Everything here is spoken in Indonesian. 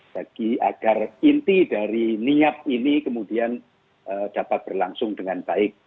bagi agar inti dari niat ini kemudian dapat berlangsung dengan baik